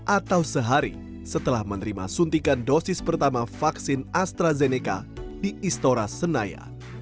atau sehari setelah menerima suntikan dosis pertama vaksin astrazeneca di istora senayan